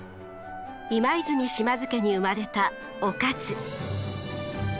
今和泉島津家に生まれた於一。